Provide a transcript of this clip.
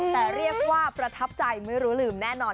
แต่เรียกว่าประทับใจไม่รู้ลืมแน่นอน